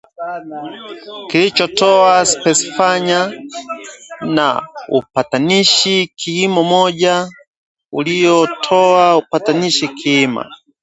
kilichotoa spesifaya na upatanishi kiima moja uliyotoa upatanishi kiima